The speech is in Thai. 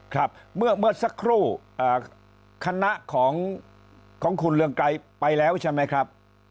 ครับเมื่อสักครู่คณะของคุณเรืองไกรไปแล้วใช่ไหมครับ